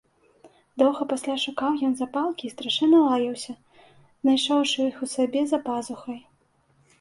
Доўга пасля шукаў ён запалкі і страшэнна лаяўся, знайшоўшы іх у сябе за пазухай.